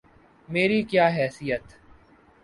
میری کیا حیثیت؟